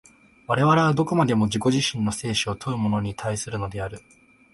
我々はどこまでも自己自身の生死を問うものに対するのである。